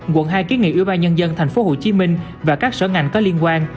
quận hai kiến nghị ủy ban nhân dân tp hcm và các sở ngành có liên quan